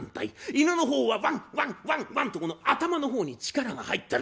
犬の方はワンワンワンワンとこの頭の方に力が入ってる。